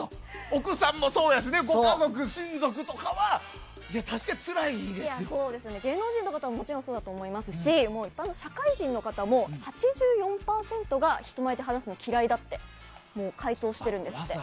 奥さんもそうやしご家族、親族とかは芸能人の方はもちろんそうだと思いますし一般の社会人の方も８４％が人前で話すの嫌いだって回答してるんですって。